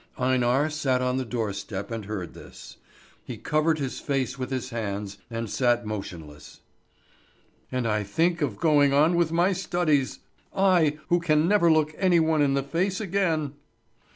Einar sat on the doorstep and heard this. He covered his face with his hands, and sat motionless. "And I think of going on with my studies! I, who can never look any one in the face again!"